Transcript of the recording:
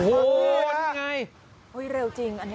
โอ้โฮนี่ไง